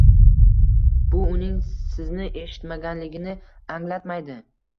bu uning sizni eshitmaganligini anglatmaydi.